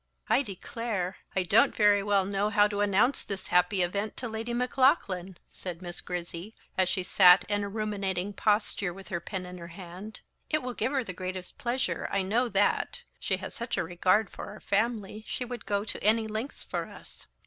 "I declare I don't very well know how to announce this happy event to Lady Maclaughlan," said Miss Grizzy, as she sat in a ruminating posture, with her pen in her hand; "it will give her the greatest pleasure, I know that; she has such a regard for our family, she would go any lengths for us.